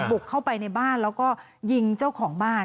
บุกเข้าไปในบ้านแล้วก็ยิงเจ้าของบ้าน